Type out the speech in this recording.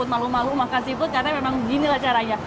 malu malu makan seafood karena memang ginilah caranya